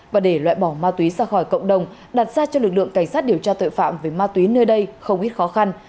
và để loại bỏ ma túy ra khỏi cộng đồng đặt ra cho lực lượng cảnh sát điều tra tội phạm về ma túy nơi đây không ít khó khăn